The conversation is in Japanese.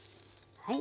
はい。